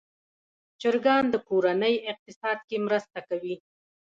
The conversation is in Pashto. چرګان د کورنۍ اقتصاد کې مرسته کوي.